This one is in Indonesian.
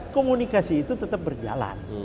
komunikasi itu tetap berjalan